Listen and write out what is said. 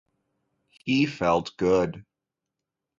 He felt good...